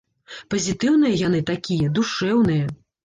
Пазітыўныя яны такія, душэўныя.